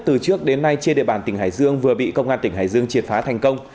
từ trước đến nay trên địa bàn tỉnh hải dương vừa bị công an tỉnh hải dương triệt phá thành công